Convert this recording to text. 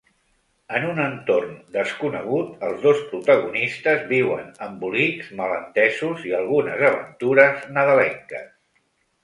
En un entorn desconegut, els dos protagonistes viuen embolics, malentesos i algunes aventures nadalenques.